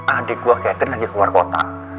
adik gue catherine lagi keluar kota